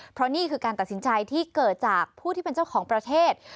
เพราะนี่คือการตัดสินใจที่เกิดจากผู้ที่เป็นเจ้าของประเทศ